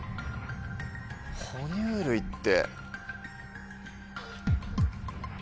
ほ乳類って。